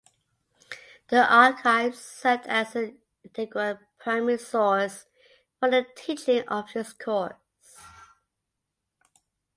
The Archive served as an integral primary source for the teaching of this course.